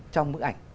trong bức ảnh